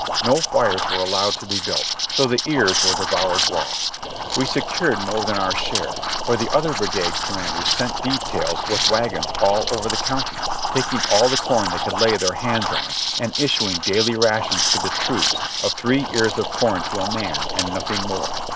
No fires were allowed to be built, so the ears were devoured raw. We secured more than our share, for the other brigade com manders sent details with wagons all over the county, taking all the corn they could lay their hands on, and issuing daily rations to the troops of three ears of corn to a man, and nothing more.